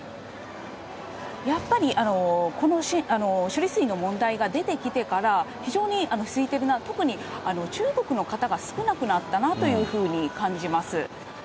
やっぱり、この処理水の問題が出てきてから、非常に空いてるな、特に中国の方が少なくなったなというふうに感じます。